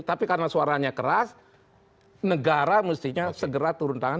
tapi karena suaranya keras negara mestinya segera turun tangan